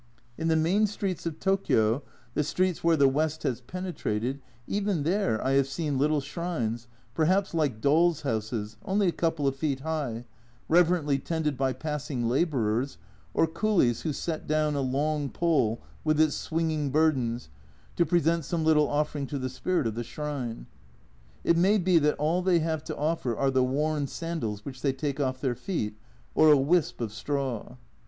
In the main streets of Tokio, the streets where the West has penetrated, even there I have seen little shrines, perhaps like dolls' houses, only a couple of feet high, reverently tended by passing labourers, or coolies who set down a long pole with its swinging burdens to present some little offering to the spirit of the shrine. It may be that all they have to offer are the worn sandals which they take off their feet, or a wisp of straw.